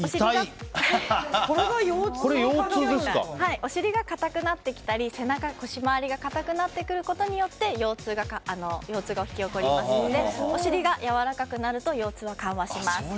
お尻が硬くなってきたり背中、腰周りが硬くなってくることで腰痛が引き起こりますのでお尻がやわらかくなると腰痛は緩和します。